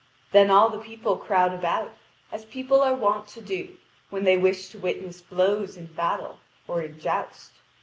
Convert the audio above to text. Then all the people crowd about, as people are wont to do when they wish to witness blows in battle or in joust.